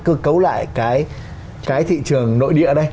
cơ cấu lại cái thị trường nội địa đây